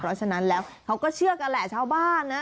เพราะฉะนั้นแล้วเขาก็เชื่อกันแหละชาวบ้านนะ